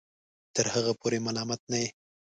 تر هغه پورې ملامت نه یې